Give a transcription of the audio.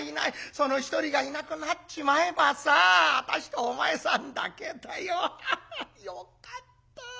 その一人がいなくなっちまえばさ私とお前さんだけだよ。よかった。